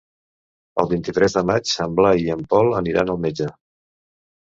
El vint-i-tres de maig en Blai i en Pol aniran al metge.